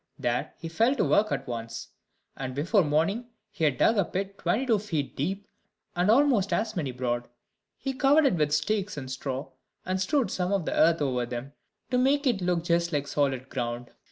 There he fell to work at once, and before morning he had dug a pit twenty two feet deep, and almost as many broad. He covered it over with sticks and straw, and strewed some of the earth over them, to make it look just like solid ground.